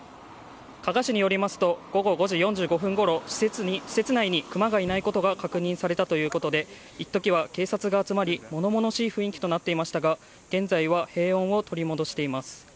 加賀市によりますと午後５時４５分ごろ施設内にクマがいないことが確認されたということで一時は警察が集まり、物々しい雰囲気となっていましたが現在は平穏を取り戻しています。